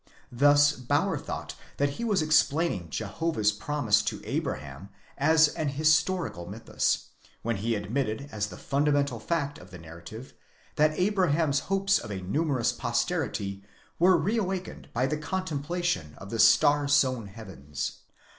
Thus Bauer! thought that he was explaining Jehovah's promise to Abraham as an historical mythus, when he admitted as the fundamental fact of the narrative, that Abraham's hopes of a numerous posterity were re awakened by the contemplation of the star sown heavens.